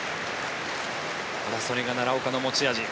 それが奈良岡の持ち味